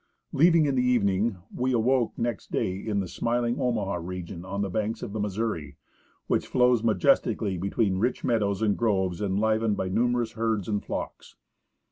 Leaving in the evening, we awoke next day in the smiling Omaha region on the banks of the Missouri, which flows majestically be tween rich meadows and groves enlivened by numerous herds and flocks.